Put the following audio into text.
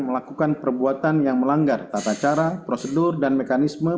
melakukan perbuatan yang melanggar tata cara prosedur dan mekanisme